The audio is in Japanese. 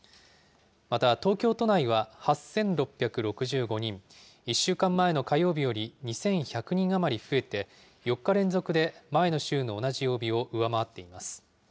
また東京都内は８６６５人、１週間前の火曜日より２１００人余り増えて、４日連続で前の週の同じ曜日を上回っています。